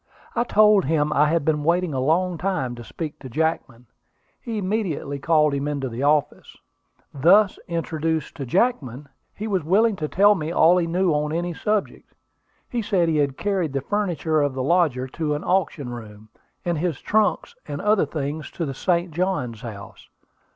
I told him I had been waiting a long time to speak to Jackman. He immediately called him into the office. "Thus introduced to Jackman, he was willing to tell me all he knew on any subject. He said he had carried the furniture of the lodger to an auction room, and his trunks and other things to the St. Johns House.